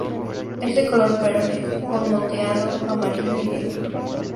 Es de color verde con moteado amarillo y negro.